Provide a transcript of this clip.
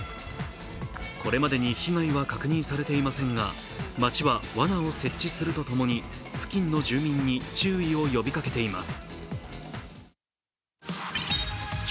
これまでに被害は確認されていませんが、町はわなを設置するとともに付近の住民に注意を呼びかけています。